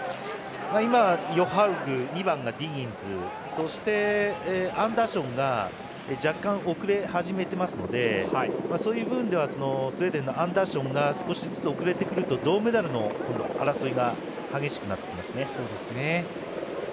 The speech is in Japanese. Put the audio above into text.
今は、ヨハウグ２番のディギンズそしてアンダーションが若干遅れ始めていますのでそういう分ではスウェーデンのアンダーションが少しずつ遅れてくると銅メダルの争いが激しくなっていきますね。